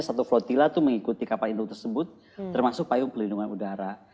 satu flotila itu mengikuti kapal induk tersebut termasuk payung pelindungan udara